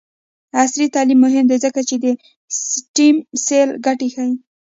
عصري تعلیم مهم دی ځکه چې د سټیم سیل ګټې ښيي.